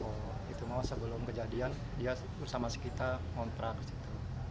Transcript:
oh itu mau sebelum kejadian dia bersama sekitar ngontra ke situ